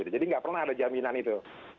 jadi nggak pernah ada jaminan itu